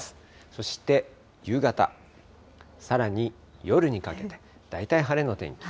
そして夕方、さらに夜にかけて、大体晴れの天気。